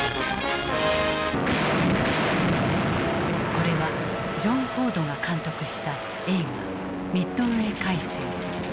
これはジョン・フォードが監督した映画「ミッドウェー海戦」。